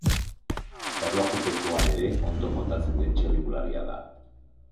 Erlojupekoan ere ondo moldatzen den txirrindularia da.